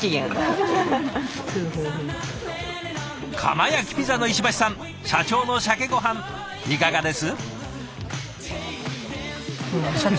窯焼きピザの石橋さん社長のシャケごはんいかがです？